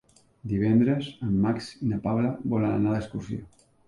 Divendres en Max i na Paula volen anar d'excursió.